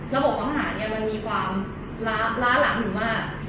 ระบบปัญหาเนี่ยมันมีความล้าร้านหิวมาก